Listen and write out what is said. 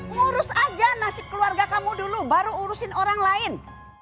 ngurus aja nasib keluarga kamu dulu baru urusin orang lain